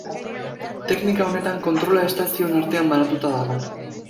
Teknika honetan kontrola estazioen artean banatuta dago.